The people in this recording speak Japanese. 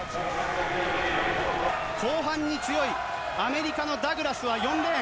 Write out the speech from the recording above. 後半に強いアメリカのダグラスは４レーン。